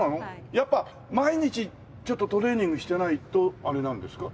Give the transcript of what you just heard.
やっぱり毎日ちょっとトレーニングしてないとあれなんですか？